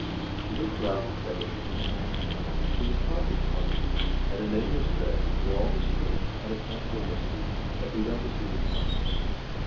She looked round her quite aimlessly now: she was horribly puzzled, and a nameless dread, before all this strange, unaccountable mystery, had begun to seize upon her.